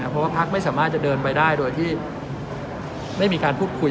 เพราะว่าพักไม่สามารถจะเดินไปได้โดยที่ไม่มีการพูดคุย